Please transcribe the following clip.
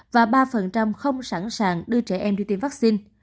và ba không sẵn sàng đưa trẻ em đi tiêm vaccine